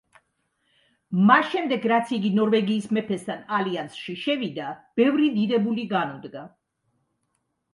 მას შემდეგ, რაც იგი ნორვეგიის მეფესთან ალიანსში შევიდა, ბევრი დიდებული განუდგა.